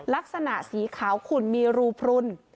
ลักษณะสีขาวขุ่นมีรูพลุน